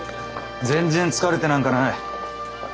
全然疲れてなんかない。